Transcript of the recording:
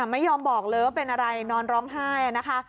ไม่ยอมบอกเลยว่าเป็นอะไรนอนร้องไห้นะคะ